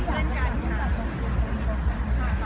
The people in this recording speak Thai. ไม่ทราบเลยครับ